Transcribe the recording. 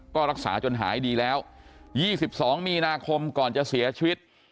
ก็รักษาจนหายดีแล้ว๒๒มีนาคมก่อนจะเสียชีวิต